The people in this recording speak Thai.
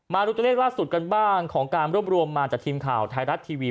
มาดูตัวเลขล่าสุดกันบ้างของการรวบรวมมาจากทีมข่าวไทยรัฐทีวี